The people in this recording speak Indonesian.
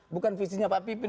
bukan visinya pak pipin